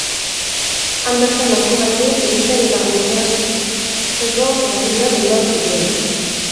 Han bertan hartu gaitu, erizain eta gainerantzeko langileak ondoan zituela.